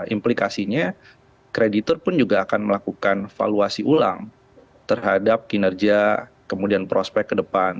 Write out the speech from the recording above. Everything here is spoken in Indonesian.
implikasinya kreditor pun juga akan melakukan valuasi ulang terhadap kinerja kemudian prospek ke depan